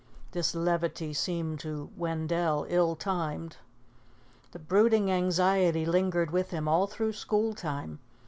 This levity seemed to Wendell ill timed. The brooding anxiety lingered with him all through school time.